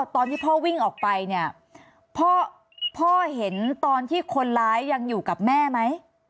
ตอนที่พ่อวิ่งออกไปเนี่ยพ่อเห็นตอนที่คนร้ายยังอยู่กับแม่ไหม